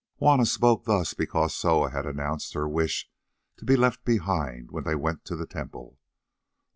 Juanna spoke thus because Soa had announced her wish to be left behind when they went to the temple.